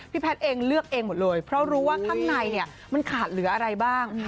แพทย์เองเลือกเองหมดเลยเพราะรู้ว่าข้างในเนี่ยมันขาดเหลืออะไรบ้าง